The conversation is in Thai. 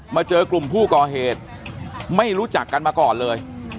เจอกลุ่มผู้ก่อเหตุไม่รู้จักกันมาก่อนเลย